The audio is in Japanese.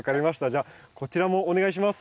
じゃあこちらもお願いします。